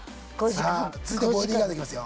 さあ続いて「ボディーガード」いきますよ。